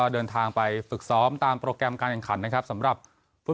เดินทางไปฝึกซ้อมตามโปรแกรมการแข่งขันนะครับสำหรับฟุต